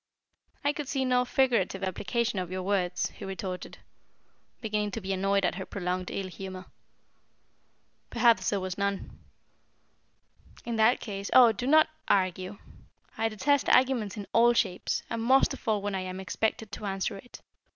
"I could see no figurative application of your words," he retorted, beginning to be annoyed at her prolonged ill humour. "Perhaps there was none." "In that case " "Oh, do not argue! I detest argument in all shapes, and most of all when I am expected to answer it.